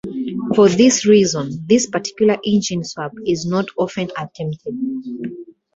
For this reason, this particular engine swap is not often attempted.